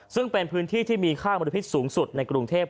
ซึ่งเป็นพื้นที่ที่มีค่ามลพิษสูงสุดในกรุงเทพ